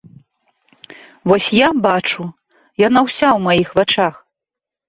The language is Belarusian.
Вось я бачу, яна ўся ў маіх вачах.